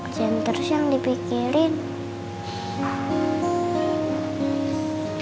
jangan terus yang dipikirin